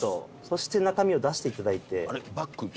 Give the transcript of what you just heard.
そして中身を出して頂いて。